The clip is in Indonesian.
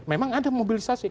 memang ada mobilisasi